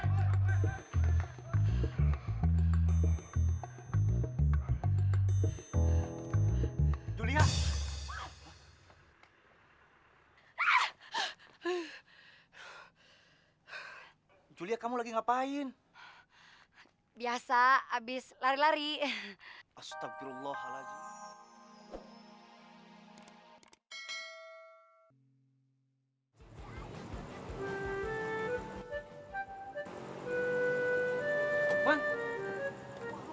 hai julia kamu lagi ngapain biasa abis lari lari astagfirullahaladzim